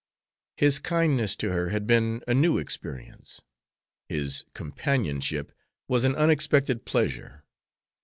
His kindness to her had been a new experience. His companionship was an unexpected pleasure.